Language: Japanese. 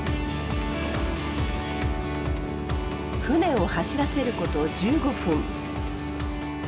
船を走らせること１５分。